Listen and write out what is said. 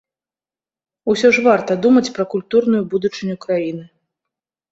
Усё ж варта думаць пра культурную будучыню краіны.